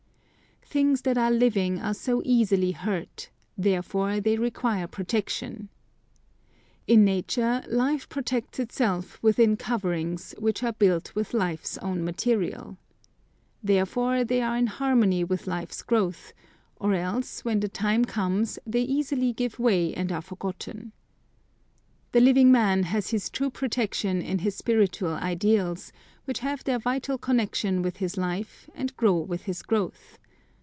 Things that are living are so easily hurt; therefore they require protection. In nature, life protects itself within in coverings, which are built with life's own material. Therefore they are in harmony with life's growth, or else when the time comes they easily give way and are forgotten. The living man has his true protection in his spiritual ideals, which have their vital connection with his life and grow with his growth.